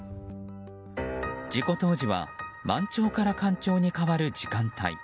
事故当時は満潮から干潮に変わる時間帯。